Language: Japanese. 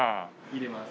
入れます。